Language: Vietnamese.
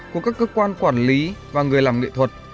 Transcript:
của các cơ quan quản lý và người làm nghệ thuật